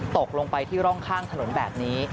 ตกลงไปที่ร่องข้างถนนแบบนี้